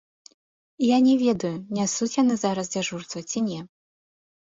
Я не ведаю, нясуць яны зараз дзяжурства ці не.